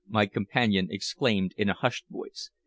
my companion exclaimed in a hushed voice.